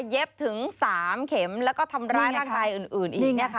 เย็บถึง๓เข็มแล้วก็ทำร้ายร่างกายอื่นอีก